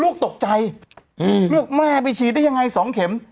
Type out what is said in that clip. ลูกตกใจเลือกแม่ไปฉีดได้ยังไงสองเข็ม